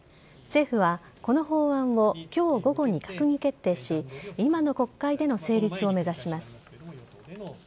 政府はこの法案を今日午後に閣議決定し今の国会での成立を目指します。